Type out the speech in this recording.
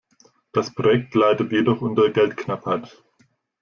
Das Projekt leidet jedoch unter Geldknappheit.